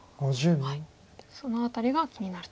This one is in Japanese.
その辺りが気になると。